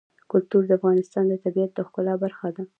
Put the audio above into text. کلتور د افغانستان د طبیعت د ښکلا برخه ده.